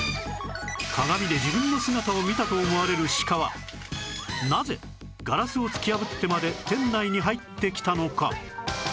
鏡で自分の姿を見たと思われるシカはなぜガラスを突き破ってまで店内に入ってきたのか？